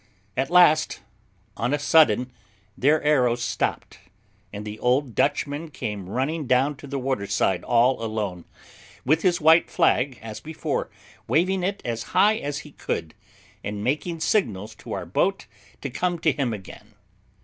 At last, on a sudden their arrows stopped, and the old Dutchman came running down to the water side all alone, with his white flag, as before, waving it as high as he could, and making signals to our boat to come to him again.